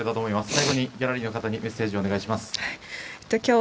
最後にギャラリーの方にメッセージをお願いします。